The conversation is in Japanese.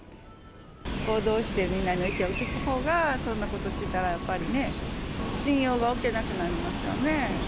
報道してみんなの意見を聞くほうがそんなことしてたらやっぱりね、信用が置けなくなりますよね。